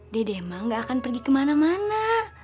dede emang gak akan pergi kemana mana